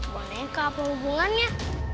boneka apa hubungannya